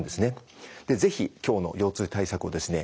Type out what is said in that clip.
是非今日の腰痛対策をですね